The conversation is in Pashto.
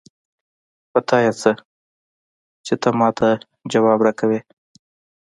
په تا يې څه؛ چې ته ما ته ځواب راکوې.